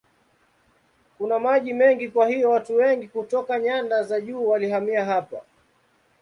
Kuna maji mengi kwa hiyo watu wengi kutoka nyanda za juu walihamia hapa.